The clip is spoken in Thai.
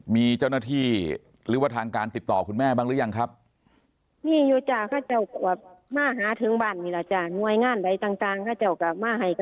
มีเจ้าหน้าที่หรือว่าทางการติดต่อคุณแม่บ้างหรือยังครับ